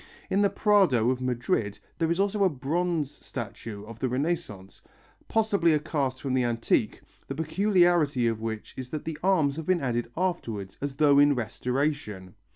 In the Prado of Madrid there is also a bronze statue of the Renaissance, possibly a cast from the antique, the peculiarity of which is that the arms have been added afterwards, as though in restoration.